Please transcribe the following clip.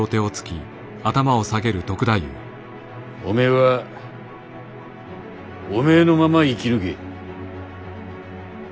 おめえはおめえのまま生き抜け。